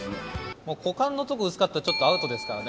もう股間のところ薄かったら、ちょっとアウトですからね。